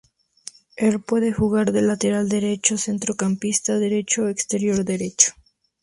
Él puede jugar de lateral derecho, centrocampista derecho o exterior derecho.